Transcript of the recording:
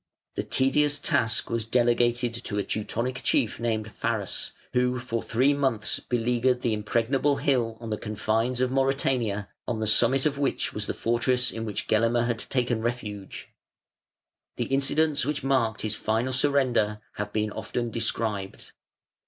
The tedious task was delegated to a Teutonic chief named Pharas, who for three months beleaguered the impregnable hill on the confines of Mauritania, on the summit of which was the fortress in which Gelimer had taken refuge. The incidents which marked his final surrender have been often described.